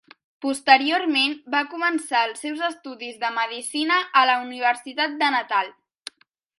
Posteriorment va començar els seus estudis de medicina a la Universitat de Natal.